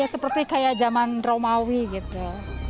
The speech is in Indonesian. seperti kayak zaman romawi gitu